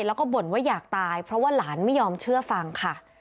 แล้วก็บ่นว่าอยากตายเพราะว่าหลานไม่ยอมเชื่อฟังค่ะ